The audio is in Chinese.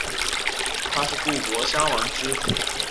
他是故国壤王之子。